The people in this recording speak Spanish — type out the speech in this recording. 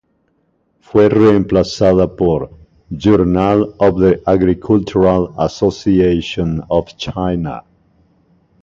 Fue reemplazada por "Journal of the Agricultural Association of China".